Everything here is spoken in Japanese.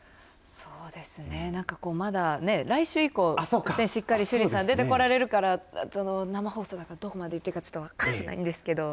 そうですね、まだ来週以降しっかり趣里さん出てこられるから生放送だからどこまで言っていいか分からないんですけど